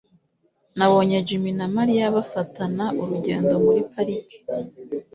nabonye jim na mariya bafatana urugendo muri parike